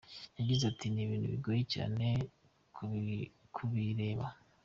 Yagize ati “Ni ibintu bigoye cyane kubireba.